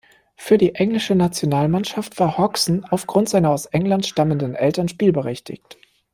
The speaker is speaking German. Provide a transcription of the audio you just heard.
Für die englische Nationalmannschaft war Hodgson aufgrund seiner aus England stammenden Eltern spielberechtigt.